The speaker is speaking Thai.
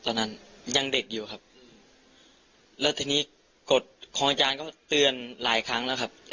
คิดว่าเป็นการกระทำที่หนุนแหละครับ